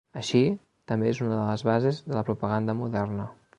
Així, també és una de les bases de la propaganda moderna.